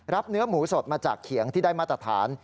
เนื้อหมูสดมาจากเขียงที่ได้มาตรฐาน